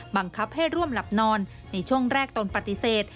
บังคับให้ร่วมหลับนอนในช่วงแรกตนปฏิเสธ